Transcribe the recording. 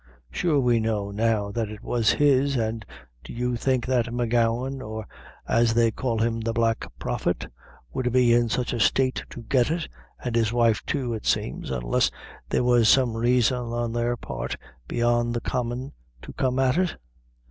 Sure we know now that it was his, an' do you think that M'Gowan, or as they call him, the Black Prophet, would be in sich a state to get it an' his wife, too, it seems unless there was some raison on their part beyond the common, to come at it?"